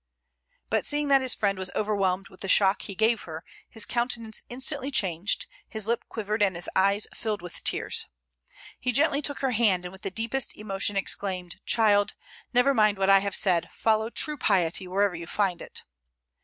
But seeing that his friend was overwhelmed with the shock he gave her, his countenance instantly changed; his lip quivered, and his eyes filled with tears. He gently took her hand, and with the deepest emotion exclaimed: "Child, never mind what I have said, follow true piety wherever you find it."